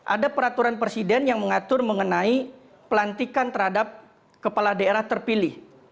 ada peraturan presiden yang mengatur mengenai pelantikan terhadap kepala daerah terpilih